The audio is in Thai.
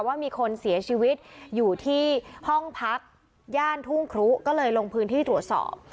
ว่ามีคนเสียชีวิตอยู่ที่ห้องพักย่านทุ่งครุก็เลยลงพื้นที่ตรวจสอบ